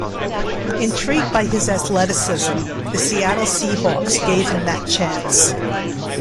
Intrigued by his athleticism, the Seattle Seahawks gave him that chance.